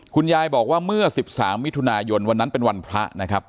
คุณยายบอกว่าเมื่อ๑๓มิถุนายนวันนั้นเป็นวันพระนะครับ